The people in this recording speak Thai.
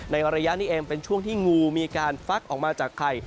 ในระยะนี้เองเป็นช่วงที่งูมีการฟักออกมาจากไข่